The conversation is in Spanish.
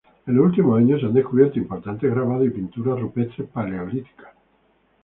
En los últimos años se han descubierto importantes grabados y pinturas rupestres paleolíticos.